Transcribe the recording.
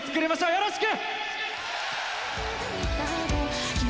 よろしく。